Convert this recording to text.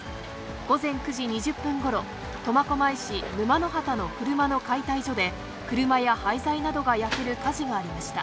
午前９時２０分ごろ、苫小牧市沼ノ端の車の解体所で、車や廃材などが焼ける火事がありました。